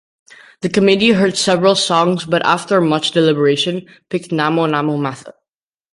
The committee heard several songs but, after much deliberation, picked "Namo Namo Matha".